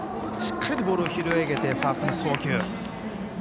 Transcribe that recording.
しっかりとボールを拾い上げてファーストに送球。